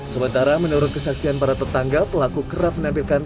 sementara menurut kesaksian para tetangga pelaku kerap menampilkan